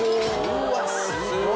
うわすごっ。